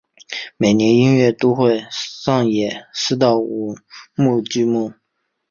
每年音乐节都会上演四到五幕剧目。